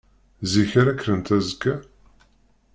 Zik ara kkrent azekka?